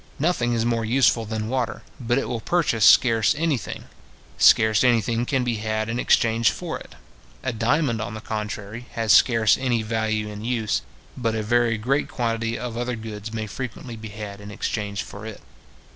Nothing is more useful than water; but it will purchase scarce any thing; scarce any thing can be had in exchange for it. A diamond, on the contrary, has scarce any value in use; but a very great quantity of other goods may frequently be had in exchange for it.